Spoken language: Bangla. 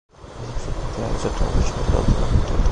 এসব শিক্ষার্থীরা আগে চট্টগ্রাম বিশ্ববিদ্যালয়ের অধীনে ভর্তি হত।